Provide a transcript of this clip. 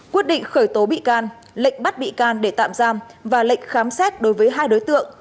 quyết định khởi tố bị can lệnh bắt bị can để tạm giam và lệnh khám xét đối với hai đối tượng